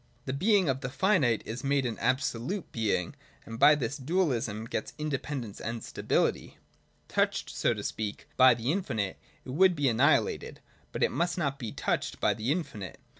The being of the finite is made an absolute being, and by this dualism gets independence and stability. Touched, so to speak, by the infinite, it would be annihilated. But it must not be touched by the infinite.